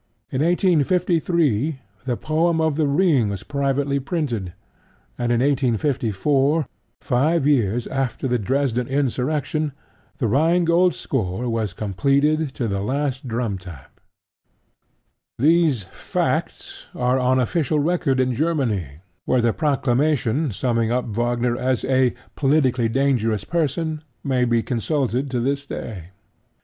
In 1853 the poem of The Ring was privately printed; and in 1854, five years after the Dresden insurrection, The Rhine Gold score was completed to the last drum tap. These facts are on official record in Germany, where the proclamation summing up Wagner as "a politically dangerous person" may be consulted to this day.